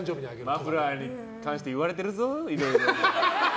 マフラーに関して言われてるぞいろいろと。